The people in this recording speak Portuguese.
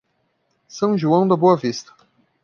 São João da Boa Vista